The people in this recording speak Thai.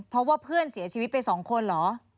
เพราะว่าเพื่อนเสียชีวิตไป๒คนเหรอ